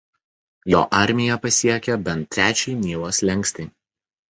Jo armija pasiekė bent trečiąjį Nilo slenkstį.